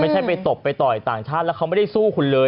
ไม่ใช่ไปตบไปต่อยต่างชาติแล้วเขาไม่ได้สู้คุณเลย